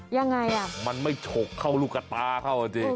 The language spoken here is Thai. ยังไงล่ะมันไม่ฉกเข้าลูกตาเข้าจริง